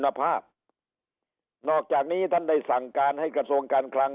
หรือนำเข้าปุ๋ยที่ไม่มีคุณภาพนอกจากนี้ท่านได้สั่งการให้กระทรวงการคลัง